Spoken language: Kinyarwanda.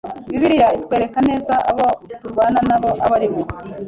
’’ Bibiliya itwereka neza abo turwana nabo abo ari bo: